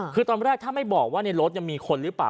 คือตอนแรกถ้าไม่บอกว่าในรถยังมีคนหรือเปล่า